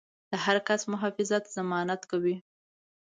د هر کس د محافظت ضمانت کوي.